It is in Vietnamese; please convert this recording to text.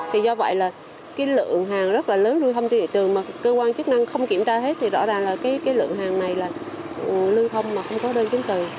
thì do vậy là cái lượng hàng rất là lớn lưu thông trên địa tường mà cơ quan chức năng không kiểm tra hết thì rõ ràng là cái lượng hàng này là lưu thông mà không có đơn chứng từ